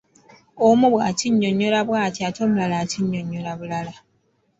Omu bw’akinnyonnyola bw’ati ate omulala akinnyonnyola bulala.